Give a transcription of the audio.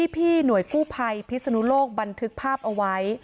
พี่หน่วยกู้ภัยพิศนุโลกบันทึกภาพเอาไว้